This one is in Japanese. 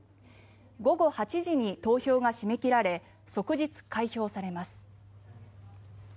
午後８時に投票が締め切られ即日開票されます。